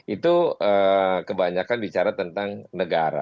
itu kebanyakan bicara tentang negara